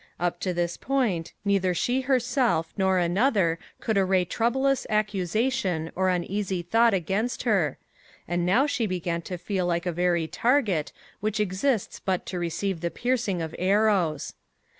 Up to this point neither she herself nor another could array troublous accusation or uneasy thought against her; and now she began to feel like a very target, which exists but to receive the piercing of arrows.